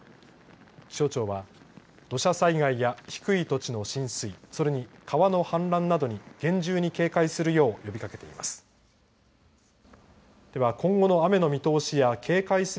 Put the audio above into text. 気象庁は土砂災害や低い土地の浸水それに川の氾濫などに厳重に警戒するよう呼びかけています。